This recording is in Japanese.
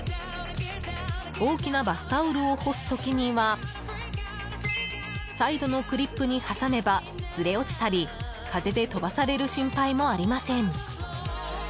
大きなバスタオルを干す時にはサイドのクリップに挟めばずれ落ちたり、風で飛ばされる心配もありません。